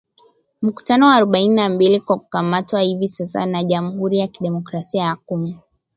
mkutano wa arubaini na mbili wa kukamatwa hivi sasa na Jamhuri ya Kidemokrasi ya Kongo